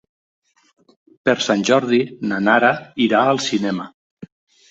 Per Sant Jordi na Nara irà al cinema.